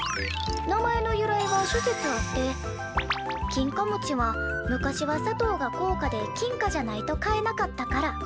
「名前の由来は諸説あって『きんかもち』は昔は砂糖が高価で金貨じゃないと買えなかったから。